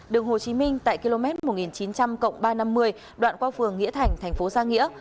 đường hồ chí minh tại km một nghìn chín trăm linh ba trăm năm mươi đoạn qua phường nghĩa thành thành phố giang nghĩa